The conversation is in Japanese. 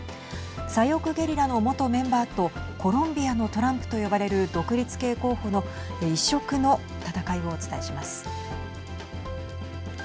左翼ゲリラの元メンバーとコロンビアのトランプと呼ばれる独立系候補の異色の戦いをお伝えします。